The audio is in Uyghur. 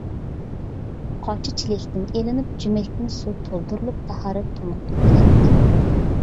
قاچا چېلەكتىن ئېلىنىپ، جۈمەكتىن سۇ تولدۇرۇلۇپ تاھارەت تۇڭىغا تۆكۈلەتتى.